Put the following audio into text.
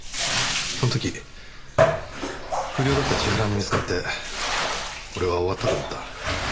その時不良だった千原に見つかって俺は終わったと思った。